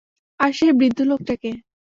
আর সেই বৃদ্ধ লোকটা কে?